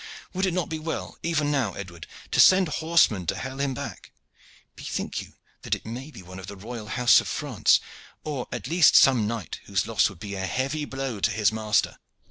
Would it not be well even now, Edward, to send horsemen to hale him back? Bethink you that it may be one of the royal house of France, or at least some knight whose loss would be a heavy blow to his master.